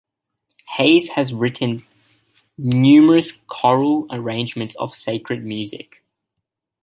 Hayes has written numerous choral arrangements of sacred music.